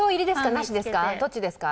なしですか？